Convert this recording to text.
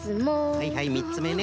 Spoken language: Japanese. はいはい３つめね。